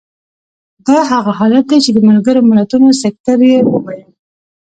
دا هغه حالت دی چې د ملګرو ملتونو سکتر یې وویل.